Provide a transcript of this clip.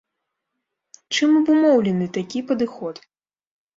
Чым абумоўлены такі падыход?